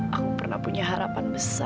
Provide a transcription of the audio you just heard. aku pernah punya harapan besar